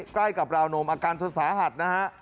ใกล้กับราวนมอาการเธอสาหัสนะฮะ